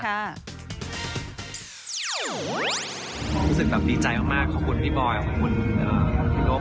รู้สึกแบบดีใจมากขอบคุณพี่บอยขอบคุณพี่ลบ